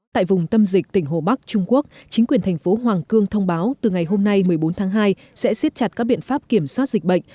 tại vùng tâm dịch tỉnh hồ bắc trung quốc chính quyền thành phố hoàng cương thông báo từ ngày hôm nay một mươi bốn tháng hai sẽ siết chặt các biện pháp kiểm soát dịch bệnh